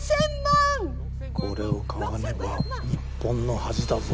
これを買わねば日本の恥だぞ。